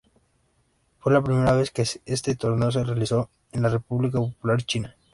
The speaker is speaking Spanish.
Fue la primera vez que este torneo se realizó en la República Popular China.